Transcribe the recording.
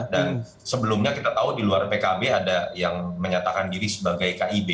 dan sebelumnya kita tahu di luar pkb ada yang menyatakan diri sebagai kib